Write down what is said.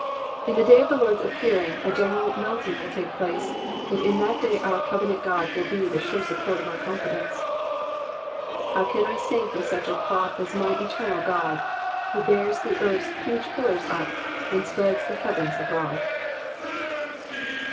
In the day of the Lord's appearing a general melting will take place, but in that day our covenant God will be the sure support of our confidence. " How can I sink with such a prop As my eterual God, Who bears the earth's hujre pillars up. And spreads the heavens abroad.